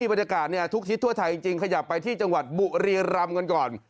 บรรยากาศทุกทิศทั่วไทยจริงขยับไปที่จังหวัดบุรีรำกันก่อน